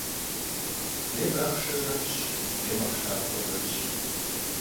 Yê maxhşşe lh'enş, yê maxhşşaxhue lh'enş.